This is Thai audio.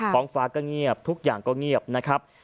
ท้องฟ้าก็เงียบทุกอย่างก็เงียบนะครับ